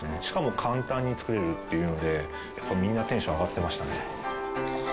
しかも簡単に作れるっていうのでやっぱみんなテンション上がってましたね。